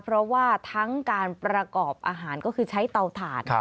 เพราะว่าทั้งการประกอบอาหารก็คือใช้เตาถ่าน